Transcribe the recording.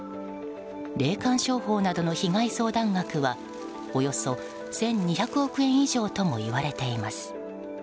霊感商法などの被害相談額はおよそ１２００億円以上ともいわれています。